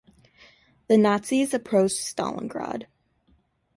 The Nazis approached Stalingrad.